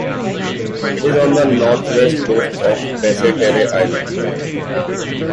It is on the northwest coast of Basse-Terre Island.